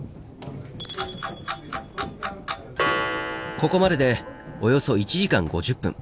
ここまででおよそ１時間５０分。